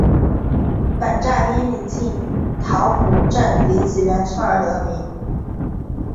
本站因临近桃浦镇李子园村而得名。